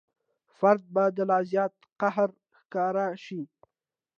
فرد به د لا زیات قهر ښکار شي.